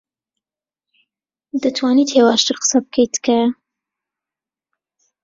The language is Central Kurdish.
دەتوانیت هێواشتر قسە بکەیت، تکایە؟